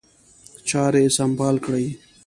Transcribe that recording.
چاري سمبال کړي.